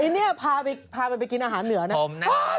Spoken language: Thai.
ไอ้เนี่ยพาไปกินอาหารเหนือเนี่ย